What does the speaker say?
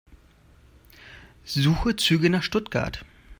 Suche Züge nach Stuttgart.